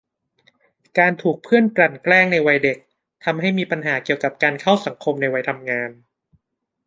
การถูกเพื่อนกลั่นแกล้งในวัยเด็ก ทำให้มีปัญหาเกี่ยวกับการเข้าสังคมในวัยทำงาน